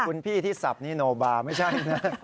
คุณพี่ที่สับนี่โนบาร์ไม่ใช่นะ